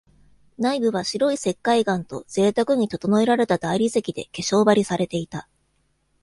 内部は白い石灰岩と贅沢に整えられた大理石で化粧張りされていた。